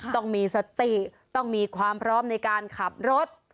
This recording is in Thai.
ต้องมีสติต้องมีความพร้อมในการขับรถ